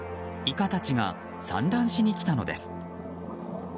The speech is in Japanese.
イカたちが産卵しに来たのです。